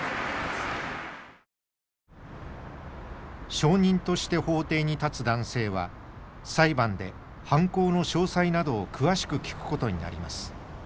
証人として法廷に立つ男性は裁判で犯行の詳細などを詳しく聞くことになります。